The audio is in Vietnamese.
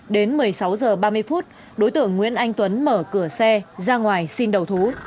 đến một mươi sáu h ba mươi phút đối tượng nguyễn anh tuấn mở cửa xe ra ngoài xin đầu thú